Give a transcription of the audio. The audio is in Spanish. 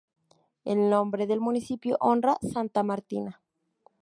El nombre del municipio honra santa Martina.